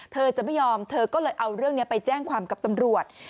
เธอจะไม่ยอมเธอก็เลยเอาเรื่องนี้ไปแจ้งความกับตำรวจ